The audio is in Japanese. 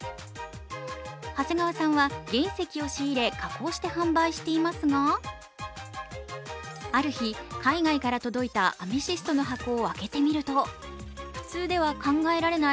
長谷川さんは原石を仕入れ加工して販売していますがある日、海外から届いたアメジストの箱を開けてみると普通では考えられない